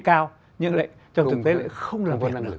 cao nhưng lại trong thực tế lại không làm